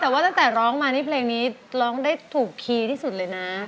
แต่ว่าตั้งแต่ร้องมานี่เพลงนี้ร้องได้ถูกคีย์ที่สุดเลยนะ